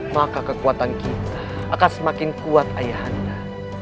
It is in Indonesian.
maka kekuatan kita akan semakin kuat ayahanda